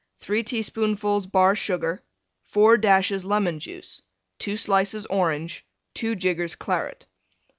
3 teaspoonfuls Bar Sugar. 4 dashes Lemon Juice. 2 slices Orange. 2 jiggers Claret.